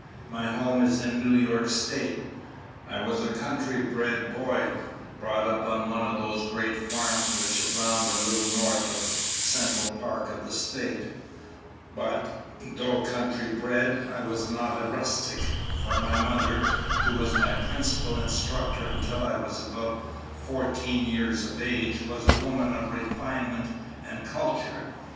My home is in New York State. I was a country bred boy, brought up on one of those great farms which abound a little north of the central part of the State; but, though country bred, I was not a rustic, for my mother, who was my principal instructor until I was about fourteen years of age, was a woman of refinement and culture.